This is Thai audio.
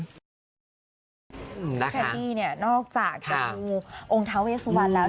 แคนดี้เนี่ยนอกจากจะดูองค์ท้าเวสวันแล้ว